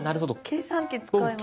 計算機使います。